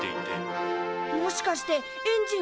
もしかしてエンジンは９つ？